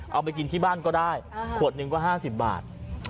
เอาไปกินที่บ้านก็ได้ขวดหนึ่งก็๕๐บาท